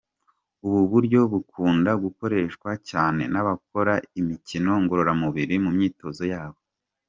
Ubu buryo bukunda gukoreshwa cyane n’abakora imikino ngororamubiri mu myitozo yabo.